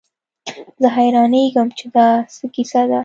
زه حيرانېږم چې دا څه کيسه ده.